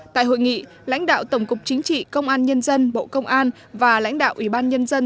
tại hội nghị lãnh đạo tổng cục chính trị công an nhân dân bộ công an và lãnh đạo ủy ban nhân dân